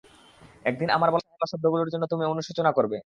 একদিন আমার বলা শব্দগুলো জন্য তুমি অনুশোচনা করবে।